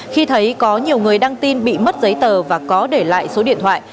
khi thấy có nhiều người đăng tin bị mất giấy tờ và có để lại số điện thoại